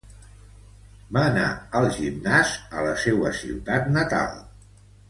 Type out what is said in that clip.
Va anar al gimnàs a la seua ciutat natal.